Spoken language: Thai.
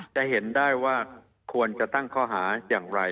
จะเห็นได้ว่าควรจะตั้งข้อหาอย่างไร